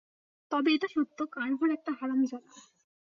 তবে এটা সত্য, কার্ভার একটা হারামজাদা।